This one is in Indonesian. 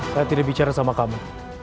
saya tidak bicara sama kamu